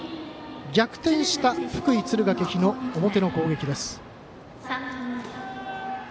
逆転した福井、敦賀気比の表の攻撃です。